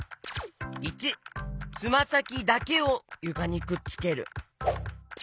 ①つまさきだけをゆかにくっつける。